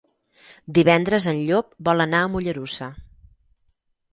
Divendres en Llop vol anar a Mollerussa.